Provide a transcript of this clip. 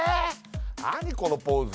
何このポーズ？